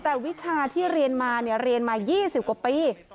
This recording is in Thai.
แต่วิชาที่เรียนมาเนี่ยเรียนมายี่สิบกว่าปี